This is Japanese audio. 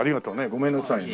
ごめんなさいね。